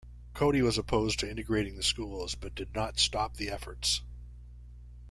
Cody was opposed to integrating the schools but did not stop the efforts.